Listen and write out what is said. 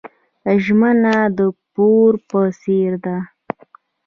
ژمنه د پور په څیر ده.